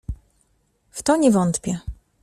"W to nie wątpię."